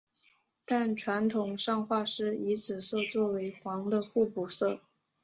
但传统上画师以紫色作为黄的互补色。